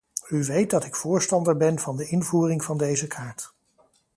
U weet dat ik voorstander ben van de invoering van deze kaart.